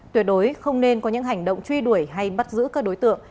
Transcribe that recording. tuyệt đối không nên có những hành động truy đuổi hay bắt giữ các đối tượng